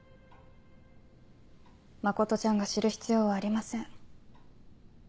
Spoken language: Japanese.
真ちゃんが知る必要はありません。